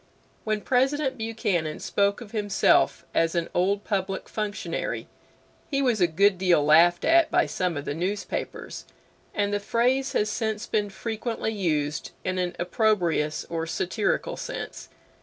When President Buchanan spoke of himself as an Old Public Functionary he was a good deal laughed at by some of the newspapers, and the phrase has since been frequently used in an opprobrious or satirical sense.